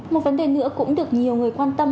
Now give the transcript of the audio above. một vấn đề nữa cũng được nhiều người quan tâm